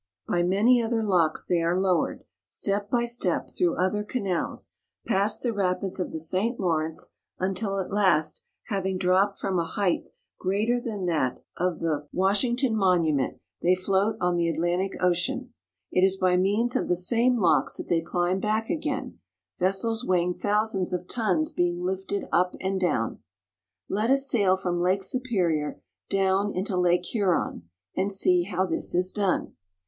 By many other locks they are lowered, step by step, through other canals, past the rapids of the St. Lawrence, until at last, having dropped from a height greater than that of the Washing ST. MARYS FALLS CAXAL. 177 ton Monument, they float on the Atlantic Ocean. It is by means of the same locks that they climb back again, ves sels weighing thousands of tons being lifted up and down. Let us sail from Lake Superior down into Lake Huron, and see how this is done.